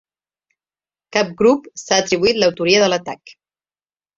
Cap grup s’ha atribuït l’autoria de l’atac.